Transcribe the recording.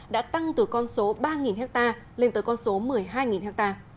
đã tăng từ con số ba ha lên tới con số một mươi hai ha